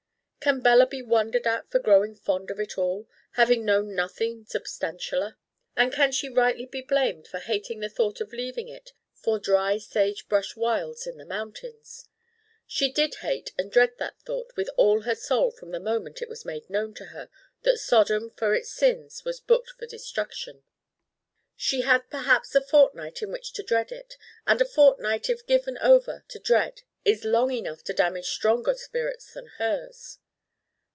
Can Bella be wondered at for growing fond of it all, having known nothing substantialer? And can she rightly be blamed for hating the thought of leaving it for dry sage brush wilds in the mountains? She did hate and dread that thought with all her soul from the moment it was made known to her that Sodom for its sins was booked for destruction. She had perhaps a fortnight in which to dread it, and a fortnight if given over to dread is long enough to damage stronger spirits than hers.